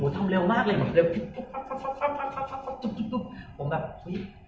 ทำเร็วมากเลยผมแบบหุ้ย